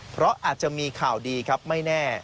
เพราะอาจจะมีข่าวดีครับไม่แน่